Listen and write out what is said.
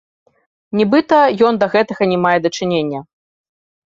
Нібыта, ён да гэтага не мае дачынення.